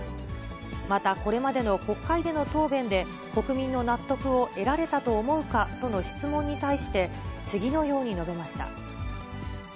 また、これまでの国会での答弁で、国民の納得を得られたと思うかとの質問に対して、次のように述べました。